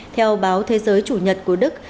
theo báo thế giới chủ nhật của đức